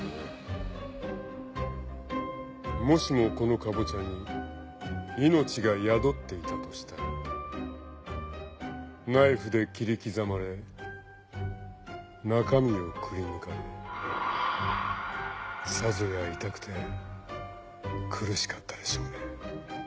もしもこのカボチャに命が宿っていたとしたらナイフで切り刻まれ中身をくりぬかれさぞや痛くて苦しかったでしょうね。